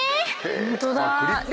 ホントだ。